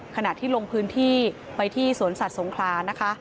ขณะที่ลงพื้นที่ไปที่สวนสัตว์สงครานะคะ